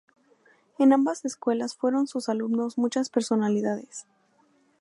En ambas escuelas fueron sus alumnos muchas personalidades.